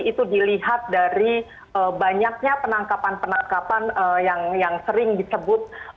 itu dilihat dari banyaknya penangkapan penangkapan yang sering disebut